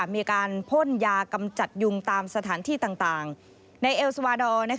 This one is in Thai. มีการพ่นยากำจัดยุงตามสถานที่ต่างในเอลสวาดอร์